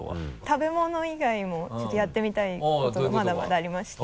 食べ物以外もちょっとやってみたいことがまだまだありまして。